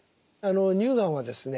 乳がんはですね